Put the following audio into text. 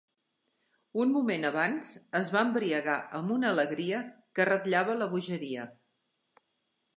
Un moment abans es va embriagar amb una alegria que ratllava la bogeria.